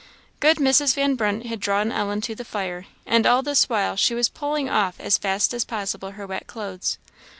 Good Mrs. Van Brunt had drawn Ellen to the fire, and all this while she was pulling off as fast as possible her wet clothes.